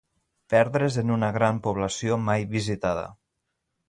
Perdre's en una gran població mai visitada